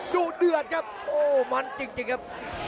ดูเดือดครับโอ้มันจริงครับ